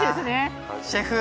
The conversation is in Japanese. シェフ！